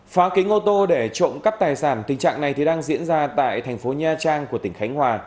phá kính ô tô để trộm cắp tài sản tình trạng này đang diễn ra tại thành phố nha trang của tỉnh khánh hòa